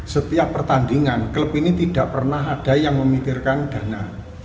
setiap pertandingan klub ini tidak pernah ada yang memikirkan dana